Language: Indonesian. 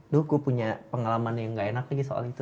loh gue punya pengalaman yang gak enak lagi soal itu